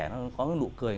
nó có nụ cười